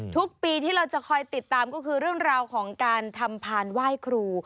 ทุกปีที่เราจะคอยติดตามก็คือเรื่องราวของการทำพานไหว้ครู